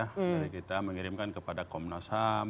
dari kita mengirimkan kepada komnas ham